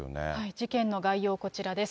事件の概要、こちらです。